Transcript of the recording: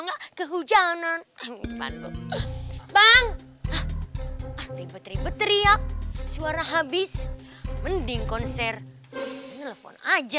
enggak ke hujanan bang ribet ribet teriak suara habis mending konser telepon aja